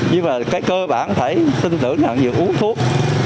nhưng mà cái cơ bản phải tin tưởng là việc uống thuốc